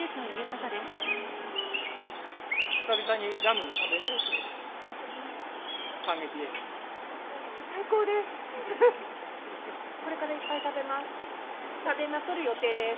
これからいっぱい食べます。